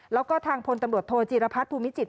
แล้วก็ทางพลตำรวจโทจีรพัฒนภูมิจิต